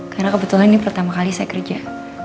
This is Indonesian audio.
karena kebetulan ini pertama kali saya kerja